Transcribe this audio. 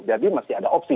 jadi masih ada opsi